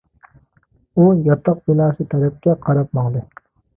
ئۇ ياتاق بىناسى تەرەپكە قاراپ ماڭدى.